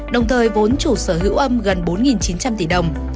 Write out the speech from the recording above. đồng thời vốn chủ sở hữu âm gần bốn chín trăm linh tỷ đồng